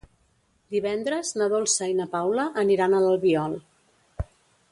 Divendres na Dolça i na Paula aniran a l'Albiol.